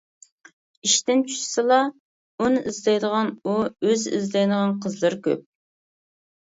ئىشتىن چۈشسىلا ئۇنى ئىزدەيدىغان ئۇ ئۆزى ئىزدەيدىغان قىزلىرى كۆپ.